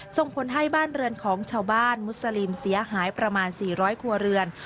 ส่งผลให้บ้านเรือนของชาวบ้านมุสลิมเสียหายประมาณ๔๐๐ครัวเรือน